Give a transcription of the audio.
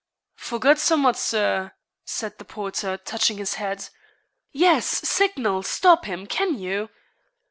'Forgot summat, Sir,' said the porter, touching his hat. 'Yes signal stop him, can you?'